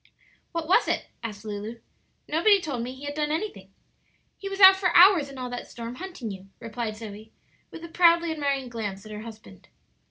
"What was it?" asked Lulu; "nobody told me he had done anything." "He was out for hours in all that storm, hunting you," replied Zoe, with a proudly admiring glance at her husband.